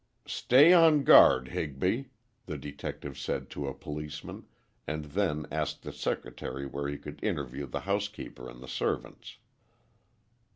"Stay on guard, Higby," the detective said to a policeman, and then asked the secretary where he could interview the housekeeper and the servants.